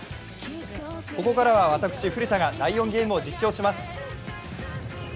ここからは私、古田が第４ゲームを実況します。